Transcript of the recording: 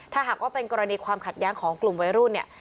ถ้าหากว่าเป็นกรณีความขัดแย้งของกลุ่มวัยรุ่นเนี่ย